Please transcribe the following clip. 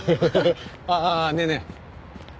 あっねえねえ。